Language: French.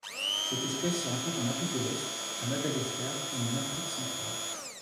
Cette espèce se rencontre en Afrique de l'Est, à Madagascar et en Afrique centrale.